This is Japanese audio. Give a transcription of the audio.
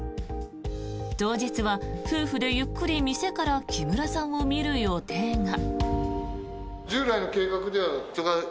当日は夫婦でゆっくり店から木村さんを見る予定が。